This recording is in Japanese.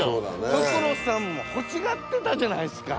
所さんも欲しがってたじゃないですか。